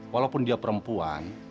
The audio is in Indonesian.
walaupun dia perempuan